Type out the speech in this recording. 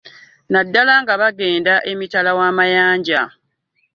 Naddala nga bagenda emitala w'amayanja.